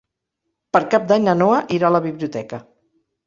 Per Cap d'Any na Nora irà a la biblioteca.